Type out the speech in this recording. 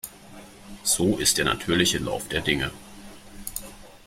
So ist der natürliche Lauf der Dinge.